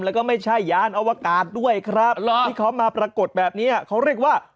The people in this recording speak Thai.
แล้วก็ไม่ใช่ยานอวกาศด้วยครับที่เขามาปรากฏแบบนี้เขาเรียกว่า